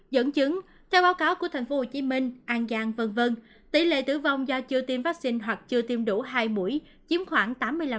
dẫn chứng theo báo cáo của tp hcm an giang v v tỷ lệ tử vong do chưa tiêm vaccine hoặc chưa tiêm đủ hai mũi chiếm khoảng tám mươi năm